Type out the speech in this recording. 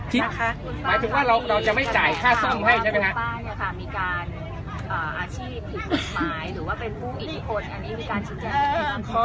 หมายถึงว่าเราจะไม่จ่ายค่าซ่อมให้ใช่ไหมคะ